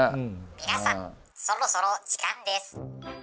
皆さんそろそろ時間です。